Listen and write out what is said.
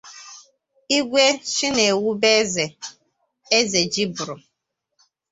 Igwe Chinewubeze Ezejiburu